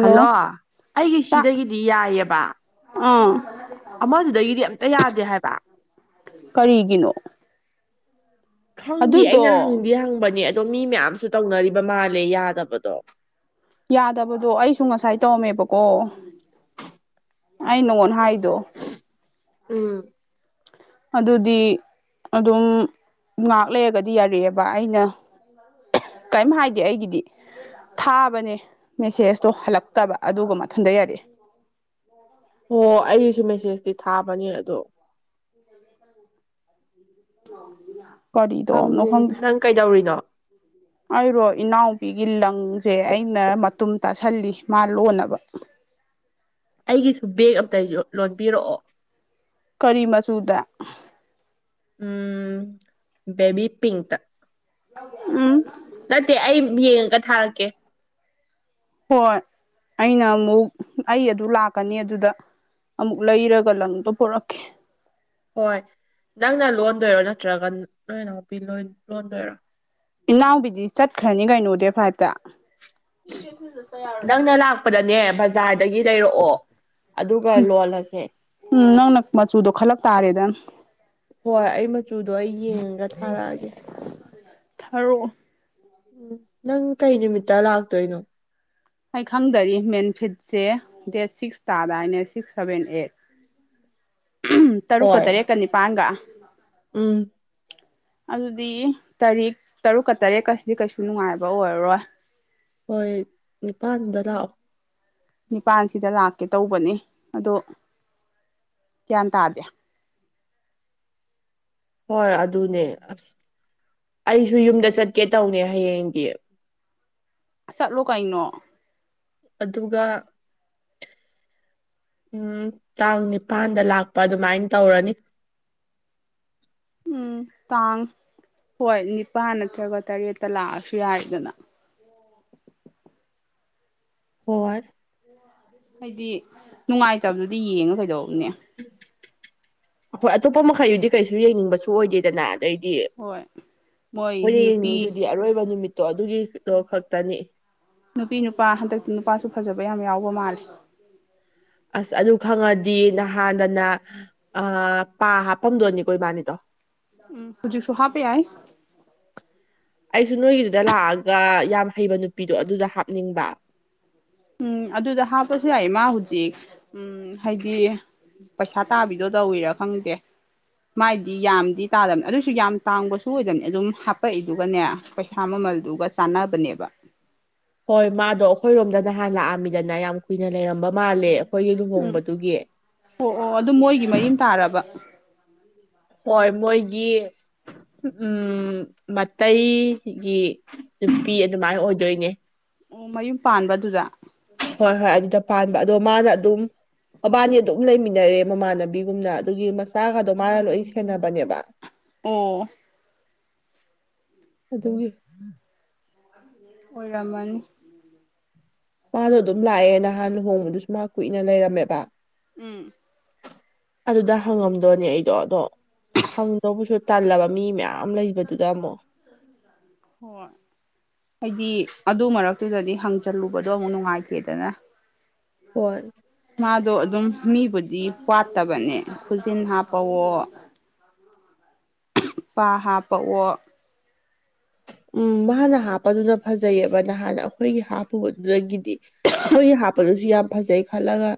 Hello ꯑꯩꯒꯤ ꯇꯥ ꯁꯤꯗꯒꯤꯗꯤ ꯌꯥꯏꯌꯦꯕ ꯑꯥ ꯑꯃꯗꯨꯗꯒꯤꯗꯤ ꯑꯝꯇ ꯌꯥꯗꯦ ꯍꯥꯏꯕ ꯀꯔꯤꯒꯤꯅꯣ ꯈꯪꯗꯦ ꯑꯗꯨꯗꯣ ꯑꯩꯅ ꯍꯪꯗꯤ ꯍꯪꯕꯅꯦ ꯑꯗꯣ ꯃꯤ ꯃꯌꯥꯝꯁꯨ ꯇꯧꯅꯔꯤꯕ ꯃꯥꯜꯂꯦ ꯌꯥꯗꯕꯗꯣ ꯌꯥꯗꯕꯗꯣ ꯑꯩꯁꯨ ꯉꯁꯥꯏ ꯇꯧꯔꯝꯃꯦꯕꯀꯣ ꯑꯩ ꯅꯉꯣꯟ ꯍꯥꯏ__ ꯎꯝ ꯑꯗꯨꯗꯤ ꯑꯗꯨꯝ ꯉꯥꯛ ꯂꯩꯔꯒꯗꯤ ꯌꯥꯔꯛꯑꯦꯕ ꯑꯩꯅ ꯀꯩꯝ ꯍꯥꯏꯗꯦ ꯑꯩꯒꯤꯗꯤ ꯊꯥꯕꯅꯦ ꯃꯦꯁꯦꯁꯇꯣ ꯍꯜꯂꯛꯇꯕ ꯑꯗꯨꯒ ꯃꯊꯟꯗ ꯌꯥꯔꯛꯑꯦ ꯃꯧ ꯑꯣꯏꯕ ꯃꯌꯥꯝ ꯍꯣ ꯑꯩꯁꯨ ꯃꯦꯁꯦꯁꯇꯤ ꯊꯥꯕꯅꯦ ꯑꯗꯣ [unintelligible] ꯀꯔꯤ ꯇꯣꯑꯝꯅꯣ ꯈꯪꯗꯦ ꯅꯪ ꯀꯩꯗꯧꯔꯤꯅꯣ ꯑꯩꯔꯣ ꯏꯅꯥꯎꯕꯤꯒꯤ ꯂꯪꯁꯦ ꯑꯩꯅ ꯃꯇꯨꯝ__ ꯇꯥꯁꯜꯂꯤ ꯃꯥ ꯂꯣꯟꯅꯕ ꯑꯩꯒꯤꯁꯨ ꯕꯦꯒ ꯑꯝꯇ ꯌꯣ ꯂꯣꯟꯕꯤꯔꯛꯑꯣ ꯀꯔꯤ ꯃꯆꯨꯗ ꯎꯝ ꯕꯦꯕꯤ ꯄꯤꯡꯛꯇ ꯎꯝ ꯅꯠꯇꯦ ꯑꯩ ꯌꯦꯡꯉꯒ ꯊꯥꯔꯛꯀꯦ ꯍꯣꯏ ꯑꯩꯅ ꯑꯃꯨꯛ ꯑꯩ ꯑꯗꯨ ꯂꯥꯛꯀꯅꯤ ꯑꯗꯨꯗ ꯑꯃꯨꯛ ꯂꯩꯔꯒ ꯂꯪꯗꯨ ꯄꯨꯔꯛꯀꯦ ꯍꯣꯏ ꯅꯪꯅ ꯂꯣꯟꯗꯣꯏꯔꯣ ꯅꯠꯇ꯭ꯔꯒ ꯅꯣꯏ ꯅꯥꯎꯄꯤꯗꯨꯅ ꯑꯣꯏ ꯂꯣꯟꯗꯣꯏꯔꯣ ꯏꯅꯥꯎꯕꯤꯗꯤ ꯆꯠꯈ꯭ꯔꯥꯅꯤ ꯀꯩꯅꯣ ꯗꯦꯠ ꯐꯥꯏꯚꯇ ꯅꯪꯅ ꯂꯥꯛꯄꯗꯅꯦ ꯕꯖꯥꯔꯗꯒꯤ ꯂꯩꯔꯛꯑꯣ ꯑꯗꯨꯒ ꯂꯣꯜꯂꯁꯦ ꯎꯝ ꯅꯪꯅ ꯃꯆꯨꯗꯣ ꯈꯜꯂꯛ ꯇꯥꯔꯦꯗ ꯍꯣꯏ ꯑꯩ ꯃꯆꯨꯗꯣ ꯑꯩ ꯌꯦꯡꯉꯒ ꯊꯥꯔꯛꯑꯒꯦ ꯊꯥꯔꯛꯑꯣ ꯎꯝ ꯅꯪ ꯀꯩ ꯅꯨꯃꯤꯠꯇ ꯂꯥꯛꯇꯣꯏꯅꯣ ꯑꯩ ꯈꯪꯗꯔꯤ ꯃꯦꯟꯐꯤꯠꯁꯦ ꯗꯦꯠ ꯁꯤꯛꯁ ꯇꯥꯗꯥꯏꯅꯦ ꯁꯤꯛꯁ ꯁꯚꯦꯟ ꯑꯩꯠ ꯎꯝ ꯇꯔꯨꯛꯀ ꯇꯔꯦꯠꯀ ꯅꯤꯄꯥꯟꯒ ꯎꯝ ꯑꯗꯨꯗꯤ ꯇꯔꯤꯛ ꯇꯔꯨꯛꯀ ꯇꯔꯦꯠꯀꯁꯤꯗꯤ ꯀꯩꯁꯨ ꯅꯨꯡꯉꯥꯏꯕ ꯑꯣꯏꯔꯔꯣꯏ ꯍꯣꯏ ꯅꯤꯄꯥꯥꯟꯗ ꯂꯥꯛꯑꯣ ꯅꯤꯄꯥꯟꯁꯤꯗ ꯂꯥꯛꯀꯦ ꯇꯧꯕꯅꯤ ꯑꯗꯣ ꯒ꯭ꯌꯥꯟ ꯇꯥꯗꯦ ꯍꯣꯏ ꯑꯗꯨꯅꯦ ꯑꯁ ꯑꯩꯁꯨ ꯌꯨꯝꯗ ꯆꯠꯀꯦ ꯇꯧꯅꯦ ꯍꯌꯦꯡꯗꯤ ꯆꯠꯂꯣ ꯀꯩꯅꯣ ꯑꯗꯨꯒ ꯎꯝ ꯇꯥꯡ ꯅꯤꯄꯥꯟꯗ ꯂꯥꯛꯄ ꯑꯗꯨꯃꯥꯏꯟ ꯇꯧꯔꯅꯤ ꯎꯝ ꯇꯥꯡ ꯍꯣꯏ ꯅꯤꯄꯥꯟ ꯅꯠꯇ꯭ꯔꯒ ꯇꯔꯦꯠꯇ ꯂꯥꯛꯑꯁꯨ ꯌꯥꯏꯗꯅ ꯍꯣꯏ ꯍꯥꯏꯗꯤ ꯅꯨꯡꯉꯥꯏꯇꯕꯗꯨꯗꯤ ꯌꯦꯡꯉ ꯀꯩꯗꯧꯔꯨꯅꯤ ꯍꯣꯏ ꯑꯇꯣꯞꯄ ꯃꯈꯩꯗꯨꯗꯤ ꯀꯩꯁꯨ ꯌꯦꯡꯅꯤꯡꯕꯁꯨ ꯑꯣꯏꯗꯦꯗꯅ꯫ ꯗꯩꯗꯤ ꯍꯣꯏ ꯃꯣꯏ ꯈꯣꯏꯅ ꯅꯨꯄꯤ ꯌꯦꯡꯅꯤꯡꯉꯤꯗꯨꯗꯤ ꯑꯔꯣꯏꯕ ꯅꯨꯃꯤꯠꯇꯣ ꯑꯗꯨꯒꯤꯗꯣ ꯈꯛꯇꯅꯤ꯫ ꯅꯨꯄꯤ ꯅꯨꯄꯥ ꯍꯟꯗꯛꯇꯤ ꯅꯨꯄꯥꯁꯨ ꯐꯖꯕ ꯌꯥꯝ ꯌꯥꯎꯕ ꯃꯥꯜꯂꯦ꯫ ꯑꯁ ꯑꯗꯨ ꯈꯪꯉꯗꯤ ꯅꯍꯥꯟꯗꯅ ꯑꯥ ꯄꯥ ꯍꯥꯞꯄꯝꯗꯣꯏꯅꯤꯀꯣ ꯏꯕꯥꯅꯤꯗꯣ꯫ ꯎꯝ ꯍꯨꯖꯤꯛꯁꯨ ꯍꯥꯞꯄ ꯌꯥꯏ꯫ ꯑꯩꯁꯨ ꯅꯣꯏꯒꯤꯗꯨꯗ ꯂꯥꯛꯑꯒ ꯌꯥꯝ ꯍꯩꯕ ꯅꯨꯄꯤꯗꯣ ꯑꯗꯨꯗ ꯍꯥꯞꯅꯤꯡꯕ꯫ ꯎꯝ ꯑꯗꯨꯗ ꯍꯥꯞꯄꯁꯨ ꯌꯥꯏꯌꯦ ꯃꯥ ꯍꯨꯖꯤꯛ ꯎꯝ ꯍꯥꯏꯗꯤ ꯄꯩꯁꯥ ꯇꯥꯕꯤꯗꯣ ꯇꯧꯔꯤꯔꯥ ꯈꯪꯗꯦ꯫ ꯃꯥꯏꯗꯤ ꯌꯥꯝꯗꯤ ꯇꯥꯗꯕꯅꯦ ꯑꯗꯨꯏꯁꯨ ꯌꯥꯝ ꯇꯥꯡꯕꯁꯨ ꯑꯣꯏꯗꯕꯅꯤ ꯑꯗꯨꯝ ꯍꯥꯄꯛꯏꯗꯨꯒꯅꯦ, ꯄꯩꯁꯥ ꯃꯥꯃꯜꯗꯨꯒ ꯆꯥꯟꯅꯕꯅꯦꯕ꯫ ꯍꯣꯏ ꯃꯥꯗꯣ ꯑꯈꯣꯏꯔꯣꯝꯗ ꯅꯍꯥꯟ ꯂꯥꯛꯑꯝꯃꯤꯗꯅ ꯌꯥꯝ ꯀꯨꯏꯅ ꯂꯩꯔꯝꯕ ꯃꯥꯜꯂꯦ ꯑꯩꯈꯣꯏꯒꯤ ꯎꯝ ꯂꯨꯍꯣꯡꯕꯗꯨꯒꯤ꯫ ꯑꯣ ꯑꯣ ꯑꯗꯨ ꯃꯣꯏꯒꯤ ꯃꯔꯤ ꯃꯇꯥ ꯔꯕ? ꯍꯣꯏ ꯃꯣꯏꯒꯤ ꯎꯝ ꯃꯇꯩꯒꯤ ꯅꯨꯄꯤ ꯑꯗꯨꯃꯥꯏꯅ ꯑꯣꯏꯗꯣꯏꯅꯦ꯫ ꯑꯣ ꯃꯌꯨꯝ ꯄꯥꯟꯕ ꯑꯗꯨꯗ? ꯍꯣꯏ ꯍꯣꯏ ꯑꯗꯨꯗ ꯄꯥꯟꯕ ꯑꯗꯣ ꯃꯥꯅ ꯑꯗꯨꯝ ꯃꯕꯥꯅꯤ ꯑꯗꯨꯝ ꯂꯩꯃꯤꯟꯅꯔꯦ ꯃꯃꯥꯟꯅꯕꯤꯒꯨꯝꯅ ꯑꯗꯨꯒꯤ ꯃꯆꯥꯒꯗꯣ ꯃꯥꯅ ꯂꯣꯏ ꯁꯦꯟꯅꯕꯅꯦꯕ꯫ [inaudible] ꯑꯣ꯫ ꯑꯗꯨꯒꯤ꯫ ꯑꯣꯏꯔꯝꯃꯅꯤ꯫ ꯃꯥꯗꯣ ꯑꯗꯨꯝ ꯂꯥꯛꯑꯦ ꯅꯍꯥꯟ ꯂꯨꯍꯣꯡꯕꯗꯨꯁꯨ ꯃꯥ ꯀꯨꯏꯅ ꯂꯩꯔꯝꯃꯦꯕ꯫ ꯎꯝ꯫ ꯑꯗꯨꯗ ꯍꯪꯉꯝꯗꯧꯅꯦ ꯑꯩꯗꯣ ꯑꯗꯣ ꯍꯪꯗꯧꯕꯁꯨ ꯇꯜꯂꯕ ꯃꯤ ꯃꯌꯥꯝ ꯂꯩꯕꯗꯨꯗ ꯑꯃꯨꯛ꯫ ꯍꯣꯏ꯫ ꯍꯥꯏꯗꯤ ꯑꯗꯨ ꯃꯔꯛꯇꯨꯗꯗꯤ ꯍꯪꯖꯜꯂꯨꯕꯗꯣ ꯑꯃꯨꯛ ꯅꯨꯡꯉꯥꯏꯇꯦꯗꯅ꯫ ꯍꯣꯏ꯫ ꯃꯥꯗꯣ ꯑꯗꯨꯝ ꯃꯤꯕꯨꯗꯤ ꯋꯥꯠꯇꯕꯅꯦ ꯈꯨꯖꯤꯟ ꯍꯥꯞꯄꯑꯣ, [inaudible] ꯄꯥ ꯍꯥꯞꯄꯑꯣ, ꯎꯝ ꯃꯥꯅ ꯍꯥꯞꯄꯗꯨꯅ ꯐꯖꯩꯑꯦꯕ ꯅꯍꯥꯟ ꯑꯈꯣꯏꯒꯤ ꯍꯥꯞꯄꯨꯕꯗꯨꯗꯒꯤꯗꯤ ꯑꯈꯣꯏꯒꯤ ꯍꯥꯞ ꯄ ꯗꯨꯁꯨ ꯌꯥꯝ ꯐꯖꯩ ꯈꯜꯂꯒ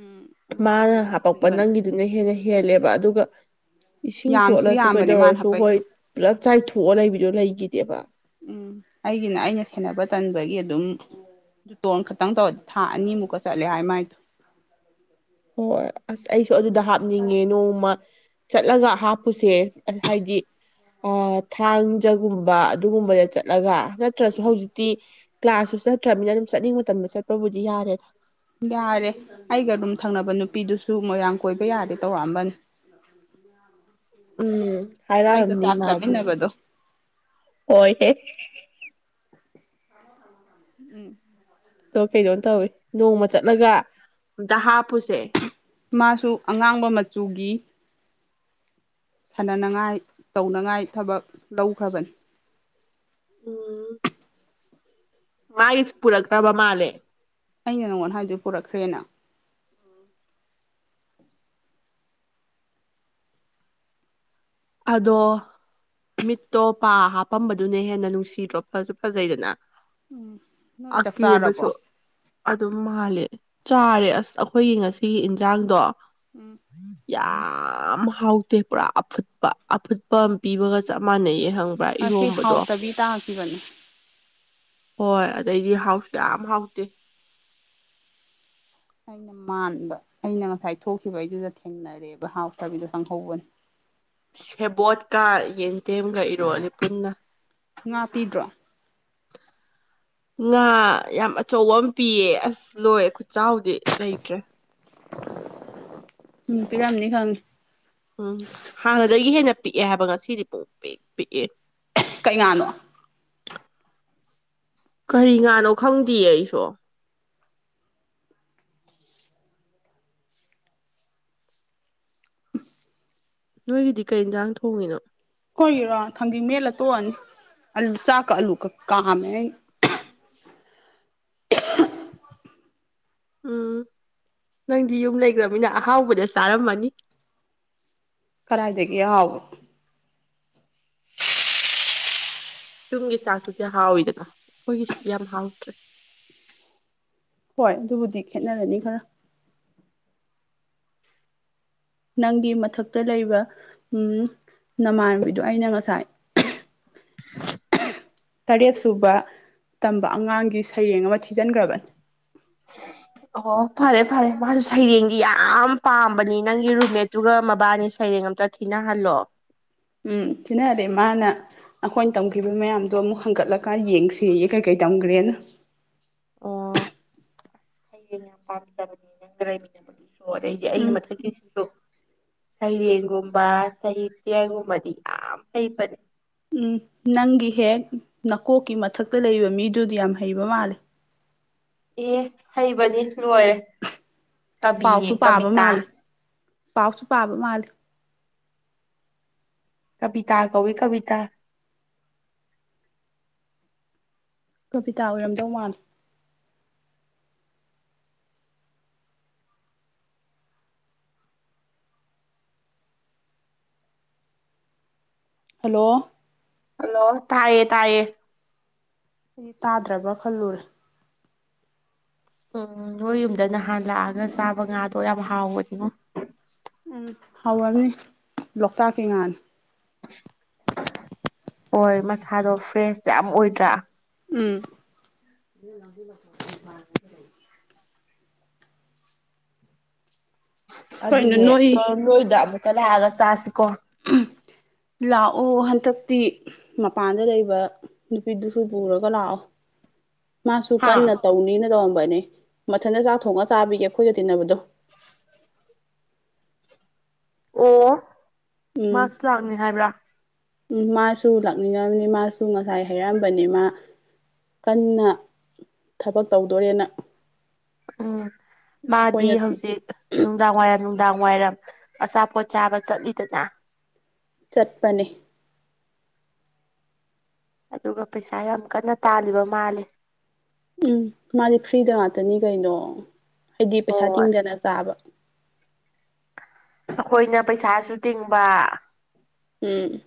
ꯎꯝ ꯃꯥꯅ ꯃꯥꯏꯗꯨꯅꯗꯤ ꯍꯥꯄꯛꯄ ꯍꯦꯟꯕꯅ꯫ ꯅꯪꯒꯤꯗꯨꯅ ꯍꯦꯟꯅ ꯍꯦꯜꯂꯦꯕ ꯑꯗꯨꯒ ꯏꯁꯤꯡ ꯌꯥꯝꯁꯨ ꯆꯣꯠꯂꯁꯨ ꯌꯥꯝꯕꯅꯦ ꯃꯥꯅ ꯀꯩꯗꯧꯔꯁꯨ ꯍꯣꯏ ꯍꯥꯞꯄꯛꯏꯗꯣ ꯄꯨꯂꯞ ꯆꯥꯏꯊꯣꯛꯑ ꯂꯩꯕꯤꯗꯣ ꯂꯩꯒꯤꯗꯦꯕ꯫ ꯎꯝ ꯑꯩꯒꯤꯅ ꯑꯩꯅ ꯁꯦꯟꯕ ꯇꯟꯕꯒꯤ ꯑꯗꯨꯝ, ꯑꯗꯨ ꯇꯣꯟ ꯈꯛꯇꯪ ꯇꯧꯔꯗꯤ ꯊꯥ ꯑꯅꯤꯃꯨꯛꯀ ꯆꯠꯂꯦ ꯍꯥꯏ ꯃꯥꯏꯗꯣ꯫ ꯍꯣꯏ ꯑꯁ ꯑꯩꯁꯨ ꯑꯗꯨꯗ ꯍꯥꯞꯅꯤꯡꯉꯦ ꯅꯣꯡꯃ ꯆꯠꯂꯒ ꯍꯥꯞꯄꯨꯁꯦ ꯍꯥꯏꯗꯤ, ꯊꯥꯡꯖꯒꯨꯝꯕ ꯑꯗꯨꯒꯨꯝꯕꯗ ꯆꯠꯂꯒ ꯅꯠ ꯇ꯭ꯔꯁꯨ ꯎꯝ ꯍꯧꯖꯤꯛꯇꯤ ꯀ꯭ꯂꯥꯁꯁꯨ ꯆꯠꯇ꯭ꯔꯃꯤꯅ ꯑꯗꯨꯝ ꯆꯠꯅꯤꯡꯕ ꯃꯇꯝꯗ ꯆꯠꯄꯕꯨꯗꯤ ꯌꯥꯔꯦꯗ꯫ ꯌꯥꯔꯦ ꯑꯩꯒ ꯔꯨꯝ ꯊꯪꯅꯕ ꯅꯨꯄꯤꯗꯨꯁꯨ ꯃꯣꯏꯔꯥꯡ ꯀꯣꯏꯕ ꯌꯥꯔꯦ ꯇꯧꯔꯛꯑꯝꯕꯅꯤ꯫ [inaudible] ꯎꯝ ꯑꯩꯒ ꯍꯥꯏꯔꯛꯑꯝꯅꯤ ꯆꯥꯛ ꯃꯥꯗꯤ ꯆꯥꯃꯤꯟꯅꯕꯗꯣ ꯍꯣꯏ ꯍꯦ꯫ ꯎꯝ ꯗꯣ ꯀꯩꯅꯣꯝ ꯇꯧꯋꯤ ꯅꯣꯡꯃ ꯆꯠꯂꯒ ꯑꯝꯇ ꯍꯥꯞꯄꯨꯁꯦ ꯃꯥꯁꯨ ꯑꯉꯥꯡꯕ ꯃꯆꯨꯒꯤ ꯁꯥꯟꯅꯅꯉꯥꯏ ꯇꯧꯅꯉꯥꯏ ꯊꯕꯛ ꯂꯧꯈ꯭ꯔꯕꯅꯤ ꯎꯝ ꯃꯥꯏꯁ ꯄꯨꯔꯛꯇ꯭ꯔꯕ ꯃꯥꯜꯂꯦ ꯑꯩꯅ ꯅꯪꯉꯣꯟ ꯍꯥꯏꯗꯨ ꯄꯨꯔꯛꯈ꯭ꯔꯦꯅ ꯑꯗꯣ ꯃꯤꯠꯇꯣ ꯄꯥ ꯍꯥꯞꯄꯝꯕꯗꯨꯅ ꯍꯦꯟꯅ ꯅꯨꯡꯁꯤꯗ꯭ꯔꯣ ꯐꯁꯨ ꯐꯖꯩꯗꯅ ꯎꯝ ꯅꯣꯏ ꯆꯥꯛ ꯑꯀꯦꯕꯁꯨ ꯆꯥꯔꯕꯣ ꯑꯗꯨꯝ ꯃꯥꯜꯂꯦ ꯆꯥꯔꯦ ꯑꯁ ꯑꯈꯣꯏꯒꯤ ꯉꯁꯤꯒꯤ ꯏꯟꯖꯥꯡꯗꯣ ꯎꯝ ꯌꯥꯝ ꯍꯥꯎꯇꯦ ꯄꯨꯔꯥ ꯐꯨꯠ ꯄ ꯑꯐꯨꯠꯄ ꯑꯝ ꯄꯤꯕꯒ ꯆꯞ ꯃꯥꯟꯅꯩꯌꯦ ꯍꯪ ꯉꯁꯤ ꯍꯥꯎꯇꯕꯤ ꯇꯥꯈꯤꯕꯅꯤ ꯍꯣꯏ ꯑꯗꯩꯗꯤ ꯍꯥꯎꯁꯨ ꯌꯥꯝ ꯍꯥꯎꯇꯦ ꯑꯩꯅ ꯃꯥꯟꯕ ꯑꯩꯅ ꯉꯁꯥꯏ ꯊꯣꯛꯈꯤꯕꯩꯗꯨꯗ ꯊꯦꯡꯅꯔꯦꯕ ꯍꯥꯎꯇꯕꯤꯗꯣ ꯆꯪꯍꯧꯕꯅꯤ ꯁꯦꯕꯣꯠꯀ ꯌꯦꯟꯗꯦꯝꯒ ꯏꯔꯣꯜꯂꯦ ꯄꯨꯟꯅ ꯉꯥ ꯄꯤꯗ꯭ꯔꯣ ꯉꯥ ꯌꯥꯝ ꯑꯆꯧꯕ ꯑꯝ ꯄꯤꯌꯦ ꯑꯁ ꯂꯣꯏꯔꯦ ꯈꯨꯠꯆꯥꯎꯗꯤ ꯂꯩꯇ꯭ꯔꯦ ꯎꯝ ꯄꯤꯔꯝꯅꯤ ꯈꯪꯉꯦ ꯎꯝ ꯍꯥꯟꯅꯗꯒꯤ ꯍꯦꯟꯅ ꯄꯤꯛꯑꯦ ꯍꯥꯏꯕ ꯉꯁꯤꯗꯤ ꯄꯨꯡꯄꯤꯛ ꯄꯤꯛꯑꯦ ꯀꯩ ꯉꯥꯅꯣ ꯀꯔꯤ ꯉꯥꯅꯣ ꯈꯪꯗꯤꯌꯦ ꯑꯩꯁꯨ ꯅꯣꯏꯒꯤꯗꯤ ꯀꯩ ꯏꯟꯖꯥꯡ ꯊꯣꯡꯉꯤꯅꯣ ꯈꯣꯏꯒꯤꯔꯣ ꯊꯥꯡꯖꯤꯡ ꯃꯦꯠꯂ ꯇꯣꯛꯑꯅꯤ ꯑꯂꯨ ꯆꯥꯛꯀ ꯑꯂꯨꯒ ꯀꯥꯝꯃꯦ ꯑꯩꯅ [inaudible] [inaudible] ꯎꯝ ꯅꯪꯗꯤ ꯌꯨꯝ ꯂꯩꯈ꯭ꯔꯝꯅꯤꯅ ꯑꯍꯥꯎꯕꯗ ꯆꯥꯔꯝꯃꯅꯤ ꯀꯔꯥꯏꯗꯒꯤ ꯍꯥꯎꯕ ꯌꯨꯝꯒꯤ ꯆꯥꯛꯇꯨꯗꯤ ꯍꯥꯎꯋꯤꯗꯅ ꯈꯣꯏꯒꯤꯁꯤꯗꯤ ꯌꯥꯝ ꯍꯥꯎꯇ꯭ꯔꯦ ꯍꯣꯏ ꯑꯗꯨꯕꯨꯗꯤ ꯈꯦꯠꯅꯔꯅꯤ ꯈꯔ ꯅꯪꯒꯤ ꯃꯊꯛꯇ ꯂꯩꯕ ꯎꯝ ꯅꯃꯥꯟꯕꯤꯗꯣ ꯑꯩꯅ ꯉꯁꯥꯏ ꯇꯔꯦꯠ ꯁꯨꯕ ꯇꯝꯕ ꯑꯉꯥꯡꯒꯤ ꯁꯩꯔꯦꯡ ꯑꯃ ꯊꯤꯖꯟꯈ꯭ꯔꯕꯅꯤ [inaudible] ꯑꯣ ꯐꯔꯦ ꯐꯔꯦ ꯃꯥꯁꯨ ꯁꯩꯔꯦꯡꯗꯤ ꯌꯥꯝ ꯄꯥꯝꯕꯅꯤ ꯅꯪꯒꯤ ꯔꯨꯝꯃꯦꯠꯇꯨꯒ ꯃꯕꯥꯅꯤ ꯁꯩꯔꯦꯡ ꯑꯝꯇ ꯊꯤꯅꯥ ꯍꯜꯂꯣ ꯎꯝ ꯊꯤꯅꯔꯦ ꯃꯥꯅ ꯑꯈꯣꯏꯟ ꯇꯝꯈꯤꯕ ꯃꯌꯥꯝꯗꯣ ꯑꯃꯨꯛ ꯍꯪꯒꯠꯂꯀꯥꯟ ꯌꯦꯡꯁꯤꯌꯦ ꯀꯩ ꯀꯩ ꯇꯝꯈ꯭ꯔꯦꯅ ꯑꯣ [inaudible] ꯑꯣ ꯑꯗꯩꯗꯤ ꯑꯩꯒꯤ ꯎꯝ ꯃꯊꯛꯀꯤꯁꯤꯁꯨ ꯁꯩꯔꯦꯡꯒꯨꯝꯕ ꯁꯍꯤꯇꯌ꯭ꯥ ꯒꯨꯝꯕꯗꯤ ꯌꯥꯝ ꯍꯩ ꯐꯅꯤ ꯎꯝ ꯅꯪꯒꯤ ꯍꯦꯛ ꯅꯀꯣꯛꯀꯤ ꯃꯊꯛꯇ ꯂꯩꯕ ꯃꯤꯗꯨꯗꯤ ꯌꯥꯝ ꯍꯩꯕ ꯃꯥꯜꯂꯤ ꯑꯦ ꯍꯩꯕꯅꯤ ꯂꯣꯏꯔꯦ ꯀꯕꯤꯅꯦ ꯄꯥꯎꯁꯨ ꯄꯥꯕ ꯀꯕꯤꯇꯥ ꯃꯥꯜꯂꯤ ꯄꯥꯎꯁꯨ ꯄꯥꯕ ꯃꯥꯜꯂꯤ ꯀꯕꯤꯇꯥ ꯀꯧꯋꯤ ꯀꯕꯤꯇꯥ ꯀꯣꯕꯤꯇꯥ ꯑꯣꯏꯔꯝꯗꯧ ꯃꯥꯜꯂꯤ ꯍꯜꯂꯣ꯫ ꯍꯜꯂꯣ ꯇꯥꯌꯦ ꯇꯥꯏꯌꯦ꯫ ꯑꯩꯗꯤ ꯇꯥꯗ꯭ꯔꯕ ꯈꯜꯂꯨꯔꯦ꯫ ꯎꯝ ꯅꯣꯏ ꯌꯨꯝꯗ ꯅꯍꯥꯟ ꯂꯥꯛꯑꯒ ꯆꯥꯕ ꯉꯥꯗꯣ ꯌꯥꯝ ꯍꯥꯎꯕꯅꯤꯉꯣ꯫ ꯎꯝ ꯍꯧꯔꯅꯤ ꯂꯣꯛꯇꯥꯛꯀꯤ ꯉꯥꯅꯤ꯫ ꯍꯣꯏ ꯃꯁꯥꯗꯣ ꯐ꯭ꯔꯦꯁ ꯌꯥꯝ ꯑꯣꯏꯗ꯭ꯔꯥ꯫ ꯎꯝ꯫ ꯀꯩꯅꯣ ꯑꯗꯨꯅꯦ ꯅꯣꯏ ꯑꯗꯣ ꯅꯣꯏꯗ ꯑꯃꯨꯀ ꯂꯥꯛꯑꯒ ꯆꯥꯁꯤꯀꯣ꯫ ꯎꯝ꯫ ꯂꯥꯛꯑꯣ ꯍꯟꯗꯛꯇꯤ ꯃꯄꯥꯟꯗ ꯂꯩꯕ ꯅꯨꯄꯤꯗꯨꯁꯨ ꯄꯨꯔꯒ ꯂꯥꯛꯑꯣ꯫ [inaudible] ꯃꯥꯁꯨ ꯍꯥ ꯀꯟꯅ ꯇꯧꯅꯤꯅ ꯇꯧꯔꯝꯕꯅꯤ ꯃꯊꯟꯇ ꯆꯥꯛ ꯊꯣꯡꯉ ꯆꯥꯕꯤꯒꯦ ꯑꯩꯈꯣꯏꯒ ꯇꯤꯟꯅꯕꯗꯣ꯫ ꯑꯣ ꯎꯝ ꯃꯥꯁꯨ ꯂꯥꯛꯅꯤ ꯍꯥꯏꯕ꯭ꯔꯥ꯫ ꯎꯝ ꯃꯥꯁꯨ ꯂꯥꯛꯅꯤꯡꯉꯕꯅꯤ ꯃꯥꯁꯨ ꯉꯁꯥꯏ ꯍꯥꯏꯩꯔꯛꯑꯝꯕꯅꯤ ꯃꯥ꯫ ꯀꯟꯅ ꯊꯕꯛ ꯇꯧꯗꯣꯔꯦꯅ꯫ ꯎꯝ ꯃꯥꯗꯤ ꯑꯩꯈꯣꯏꯅ ꯍꯧꯖꯤꯛ꯫ ꯅꯨꯡꯗꯥꯡ ꯋꯥꯏꯔꯝ ꯅꯨꯡꯗꯥꯡ ꯋꯥꯏꯔꯝ ꯑꯆꯥꯄꯣꯠ ꯆꯥꯕ ꯆꯠꯂꯤꯗꯅ꯫ ꯆꯠꯄꯅꯤ꯫ ꯑꯗꯨꯒ ꯄꯩꯁꯥ ꯌꯥꯝ ꯀꯟꯅ ꯇꯥꯜꯂꯤꯕ ꯃꯥꯜꯂꯦ꯫ ꯎꯝ ꯃꯥꯗꯤ ꯐ꯭ꯔꯤꯗ ꯉꯥꯛꯇꯅꯤ ꯀꯩꯅꯣ ꯍꯥꯏꯗꯤ ꯄꯩꯁꯥ ꯍꯣꯏ ꯇꯤꯡꯗꯅ ꯆꯥꯕ꯫ ꯑꯩꯈꯣꯏꯅ ꯄꯩꯁꯥꯁꯨ ꯇꯤꯡꯕ꯫ ꯎꯝ꯫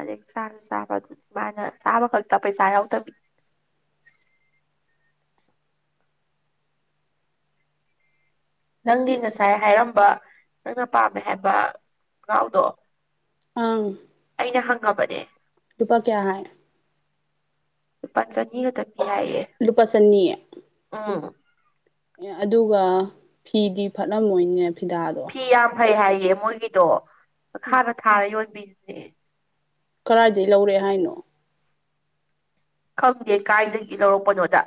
ꯑꯗꯩ ꯆꯥꯁꯨ ꯆꯥꯕ ꯑꯗꯨ ꯃꯥꯅ ꯆꯥꯕ ꯈꯛꯇ ꯄꯩꯁꯥ ꯌꯥꯎꯗꯕꯤ꯫ ꯅꯪꯒꯤ ꯉꯁꯥꯏ ꯍꯥꯏꯔꯝꯕ ꯅꯪꯅ ꯄꯥꯝꯃꯦ ꯍꯥꯏꯕ ꯀꯥꯎꯗꯣ꯫ ꯑꯪ꯫ ꯑꯩꯅ ꯍꯪꯉꯕꯅꯦ꯫ ꯂꯨꯄꯥ ꯀꯌꯥ ꯍꯥꯏ꯫ ꯂꯨꯄꯥ ꯆꯅꯤꯈꯛꯇ ꯄꯤ ꯍꯥꯏꯌꯦ꯫ ꯂꯨꯄꯥꯆꯅꯤ꯫ ꯎꯝ꯫ ꯑꯦ ꯑꯗꯨꯒ ꯐꯤꯗꯤ ꯐꯠꯂꯝꯃꯣꯏꯅꯦ ꯐꯤꯗꯥꯗꯣ꯫ ꯐꯤ ꯌꯥꯝ ꯐꯩ ꯍꯥꯏꯌꯦ ꯃꯣꯏꯒꯤꯗꯣ ꯎꯝ ꯃꯈꯥꯗ ꯊꯥꯔ ꯌꯣꯟꯕꯤꯗꯨꯅꯦ꯫ ꯀꯔꯥꯏꯗꯩ ꯂꯧꯔꯦ ꯍꯥꯏꯅꯣ꯫ ꯈꯪꯗꯦ ꯀꯥꯏꯗꯒꯤ ꯂꯧꯔꯛꯄꯅꯣꯗ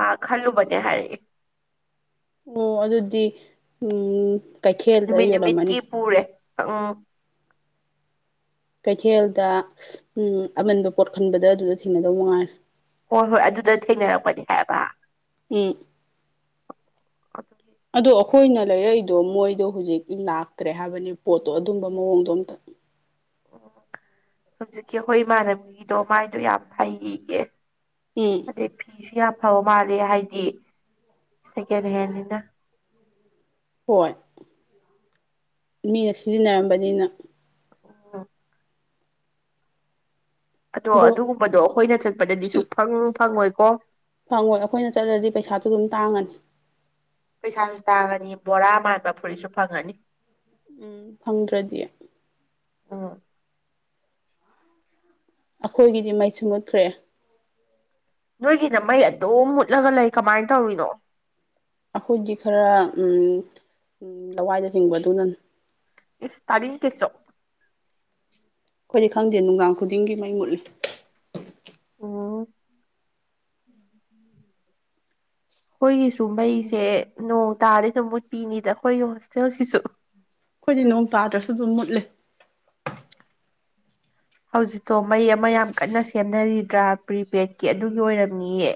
ꯑ ꯈꯜꯂꯨꯕꯅꯦ ꯍꯥꯏꯔꯛꯑꯦ꯫ ꯑꯣ ꯑꯗꯨꯗꯤ ꯎꯝ꯫ ꯀꯩꯊꯦꯜꯗ ꯅꯨꯃꯤꯠ ꯌꯣꯜꯂꯝꯃꯅꯤ ꯅꯨꯃꯤꯠꯀꯤ ꯄꯨꯔꯦ ꯑꯣ꯫ ꯀꯩꯊꯦꯜꯗ ꯎꯝ ꯑꯃꯟꯕ ꯄꯣꯠ ꯈꯟꯕꯗ ꯑꯗꯨꯗ ꯊꯦꯡꯅꯗꯧ ꯃꯉꯥꯏꯔꯦ꯫ ꯍꯣꯏ ꯍꯣꯏ ꯑꯗꯨꯗ ꯊꯦꯡꯅꯔꯛꯄꯅꯦ ꯍꯥꯏꯕ꯫ ꯎꯝ꯫ ꯑꯗꯨꯒꯤ ꯑꯗꯣ ꯑꯩꯈꯣꯏꯅ ꯂꯩꯔꯛꯏꯗꯣ ꯃꯣꯏꯗꯣ ꯍꯧꯖꯤꯛ ꯂꯥꯛꯇ꯭ꯔꯦ ꯍꯥꯏꯕꯅꯦ ꯄꯣꯠꯇꯣ ꯑꯗꯨꯝꯕ ꯃꯑꯣꯡꯗꯣ ꯑꯝꯇ꯫ ꯎꯝ ꯍꯧꯖꯤꯛꯀꯤ ꯑꯩꯈꯣꯏ ꯏꯃꯥꯟꯅꯅꯕꯒꯤꯗꯣ ꯃꯥꯏꯗꯣ ꯌꯥꯝ ꯐꯩꯒꯤꯒꯦ꯫ ꯎꯝ꯫ ꯑꯗꯩ ꯐꯤꯁꯨ ꯌꯥꯝ ꯐꯕ ꯃꯥꯜꯂꯦ ꯍꯥꯏꯗꯤ ꯁꯦꯀꯦꯟ ꯍꯦꯟꯅꯤꯅ꯫ ꯍꯣꯏ ꯃꯤꯅ ꯁꯤꯖꯤꯟꯅꯔꯝꯕꯅꯤꯅ꯫ ꯎꯝ ꯑꯗꯣ ꯑꯗꯨꯒꯨꯝꯕꯗꯣ ꯑꯩꯈꯣꯏꯅ ꯆꯠꯄꯗꯗꯤ ꯁꯨꯛꯐꯪ ꯐꯪꯉꯣꯏꯀꯣ ꯐꯪꯉꯣꯏ ꯑꯩꯈꯣꯏꯅ ꯆꯠꯂꯗꯤ ꯄꯩꯁꯥꯁꯨ ꯑꯗꯨꯝ ꯇꯥꯡꯉꯅꯤ ꯄꯩꯁꯥꯁꯨ ꯇꯥꯜꯉꯅꯤ ꯕꯣꯔꯥ ꯃꯥꯟꯕ ꯐꯨꯔꯤꯠꯁꯨ ꯐꯪꯉꯅꯤ ꯎꯝ ꯐꯪꯗ꯭ꯔꯗꯤ ꯎꯝ ꯑꯩꯈꯣꯏꯒꯤꯗꯤ ꯃꯩꯁꯨ ꯃꯨꯠꯈ꯭ꯔꯦ ꯅꯣꯏꯒꯤꯅ ꯃꯩ ꯑꯗꯨꯝ ꯃꯨꯠꯂꯒ ꯂꯩ ꯀꯃꯥꯏꯅ ꯇꯧꯔꯤꯅꯣ ꯑꯩꯈꯣꯏꯗꯤ ꯈꯔ ꯎꯝ ꯎꯝ ꯂꯋꯥꯏꯗ ꯆꯤꯡꯕ ꯑꯗꯨꯅꯅꯤ ꯏꯁ ꯇꯥꯅꯤꯡꯗꯦ ꯆꯣ ꯑꯩꯈꯣꯏꯗꯤ ꯈꯪꯗꯦ ꯅꯨꯡꯗꯥꯡ ꯈꯨꯗꯤꯡꯒꯤ ꯃꯩ ꯃꯨꯠꯂꯤ ꯑꯣ [inaudible] ꯑꯩꯈꯣꯏꯒꯤꯁꯨ ꯃꯩꯁꯦ ꯅꯣꯡ ꯇꯥꯔꯗꯤ ꯑꯗꯨꯝ ꯃꯨꯠꯄꯤꯅꯤꯗ ꯑꯩꯈꯣꯏꯒꯤ ꯌꯨꯝ ꯍꯣꯁꯇꯦꯜꯁꯤꯁꯨ ꯑꯩꯈꯣꯏꯗꯤ ꯅꯣꯡ ꯇꯥꯗ꯭ꯔꯁꯨ ꯑꯗꯨꯝ ꯃꯨꯠꯂꯤ [inaudible] ꯍꯧꯖꯤꯛꯇꯣ ꯃꯩ ꯑꯃ ꯌꯥꯝ ꯀꯟꯅ ꯁꯦꯝꯅꯔꯤꯗ꯭ꯔꯥ ꯄ꯭ꯔꯤꯄꯦꯗꯀꯤ ꯑꯗꯨꯒꯤ ꯑꯣꯏꯔꯝꯅꯤꯌꯦ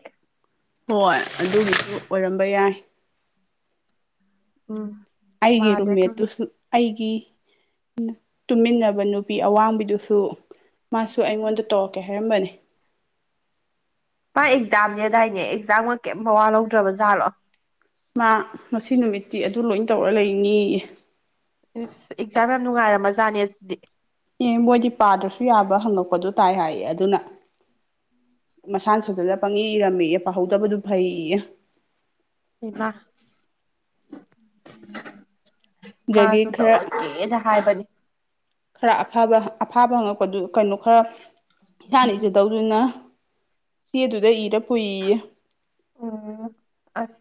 ꯍꯣꯏ ꯑꯗꯨꯒꯤꯁꯨ ꯑꯣꯏꯔꯝꯕ ꯌꯥꯏ ꯎꯝ ꯑꯩꯒꯤ‌ ꯃꯥꯜꯂꯦ ꯑꯗꯨꯒꯤ ꯔꯨꯝꯃꯦꯠꯇꯨꯁꯨ ꯑꯩꯒꯤ ꯇꯨꯃꯤꯟꯅꯕ ꯅꯨꯄꯤ ꯑꯋꯥꯡꯕꯤꯗꯨꯁꯨ ꯃꯥꯁꯨ ꯑꯩꯉꯣꯟꯗ ꯇꯧꯔꯛꯀꯦ ꯍꯥꯏꯔꯝꯕꯅꯦ ꯃꯥ ꯑꯦꯛꯖꯥꯝꯅꯦꯗꯥꯏꯅꯦ ꯑꯦꯛꯖꯥꯝꯒ ꯀꯩꯝ ꯃꯋꯥ ꯂꯧꯗ꯭ꯔꯕꯖꯥꯠꯂꯣ ꯃꯥ ꯉꯁꯤ ꯅꯨꯃꯤꯠꯇꯤ ꯑꯗꯨ ꯂꯣꯏ ꯇꯧꯔ ꯂꯩꯅꯦꯌꯦ ꯏꯁ ꯑꯦꯛꯖꯥꯝ ꯌꯥꯝ ꯅꯨꯡꯉꯥꯏꯔꯝꯃꯖꯥꯠꯅꯦ ꯑꯗꯨꯗꯤ ꯑꯦ ꯃꯣꯏꯗꯤ ꯄꯥꯗ꯭ꯔꯁꯨ ꯌꯥꯕ ꯍꯪꯉꯛꯄꯗꯣ ꯇꯥꯏ ꯍꯥꯏꯌꯦ ꯑꯗꯨꯅ ꯃꯁꯥꯅ ꯁꯥꯖꯜꯂꯒ ꯄꯪꯏ ꯏꯔꯝꯃꯤꯌꯦ ꯄꯥꯍꯧꯗꯕꯗꯨ ꯐꯩꯌꯦꯌꯦ ꯍꯩꯃꯥ ꯗꯒꯤ ꯈꯔ ꯍꯥꯏꯕꯅꯤ ꯈꯔ ꯑꯐꯥꯕ ꯑꯐꯥꯕ ꯍꯪꯉꯛꯄꯗꯨ ꯀꯩꯅꯣ ꯈꯔ ꯏꯁꯥꯅ ꯏꯖꯗꯧꯗꯨꯅ ꯆꯦꯗꯨꯗ ꯏꯔ ꯄꯨꯏꯌꯦꯌꯦ ꯎꯝ ꯑꯁ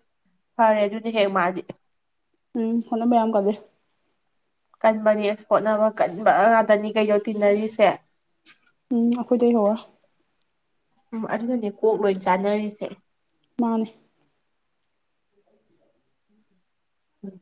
ꯐꯔꯦ ꯑꯗꯨꯗꯤ ꯍꯦꯛ ꯃꯥꯗꯤ ꯎꯝ ꯍꯣꯠꯅꯕ ꯌꯥꯝ ꯀꯜꯂꯤ ꯀꯟꯕꯅꯤ ꯑꯁ ꯍꯣꯠꯅꯕ ꯀꯟꯕ ꯉꯥꯛꯇꯅꯤ ꯀꯩꯩꯅꯣ ꯇꯤꯟꯅꯔꯤꯁꯦ ꯎꯝ ꯑꯩꯈꯣꯏꯗꯩ ꯍꯧꯔ ꯎꯝ ꯑꯗꯨꯅꯅꯦ ꯀꯣꯛ ꯂꯣꯏ ꯆꯥꯅꯔꯤꯁꯦ ꯃꯥꯅꯦ [inaudible] ꯎꯝ